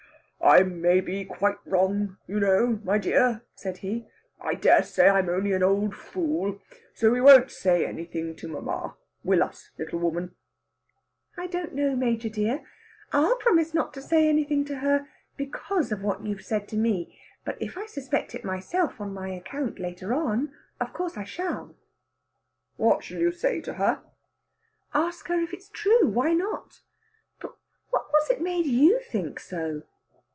"I may be quite wrong, you know, my dear," said he. "I dare say I'm only an old fool. So we won't say anything to mamma, will us, little woman?" "I don't know, Major dear. I'll promise not to say anything to her because of what you've said to me. But if I suspect it myself on my account later on, of course I shall." "What shall you say to her?" "Ask her if it's true! Why not? But what was it made you think so?"